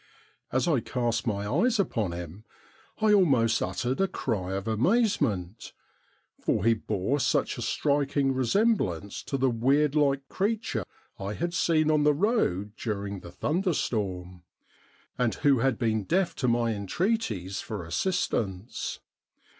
As I cast my eyes upon him I almost uttered a cry of amazement, for he bore such a striking resemblance to the weird like creature I had seen on the road during the JOHN MACDOUGAUS DOUBLE 85 thunderstorm, and who had been deaf to my entreaties for assistance.